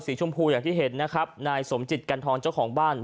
ชมพูอย่างที่เห็นนะครับนายสมจิตกันทองเจ้าของบ้าน